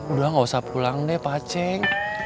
udah gak usah pulang deh paceng